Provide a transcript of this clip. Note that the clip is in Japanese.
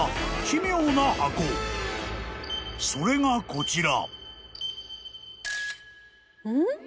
［それがこちら］